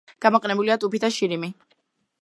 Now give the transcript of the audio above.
გამოყენებულია ტუფი და შირიმი.